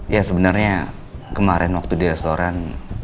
ya sebenarnya kemarin waktu di restoran